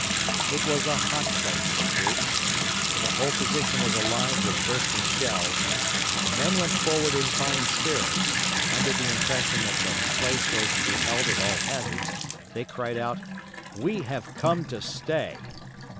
It was a hot place for troops; for the whole position was alive with bursting shells, but the men went forward in fine spirits and, under the impression that the place was to be held at all hazards, they cried out, _"We have come to stay!"